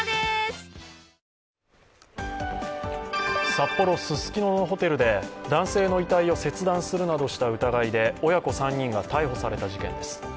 札幌・ススキノのホテルで男性の遺体を切断するなどした疑いで親子３人が逮捕された事件です。